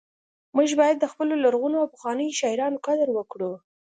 موږ باید د خپلو لرغونو او پخوانیو شاعرانو قدر وکړو